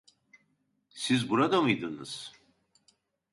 Siz burada mıydınız?